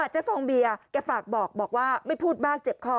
ฟองเบียร์แกฝากบอกบอกว่าไม่พูดมากเจ็บคอ